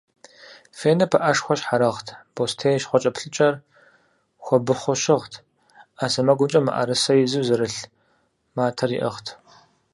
Фенэ пыӏэшхуэ щхьэрыгът, бостей щхъуэкӏэплъыкӏэр хуэбыхъуу щыгът, ӏэ сэмэгумкӏэ мыӏрысэ изу зэрлъ матэр иӏыгът.